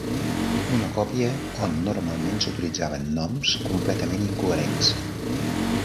Una còpia on normalment s'utilitzaven noms completament incoherents.